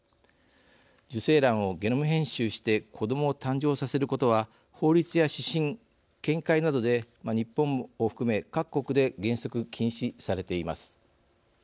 受精卵をゲノム編集して子どもを誕生させることは法律や指針見解などで日本を含め各国で原則禁止されています。